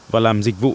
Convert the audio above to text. và làm dịch vụ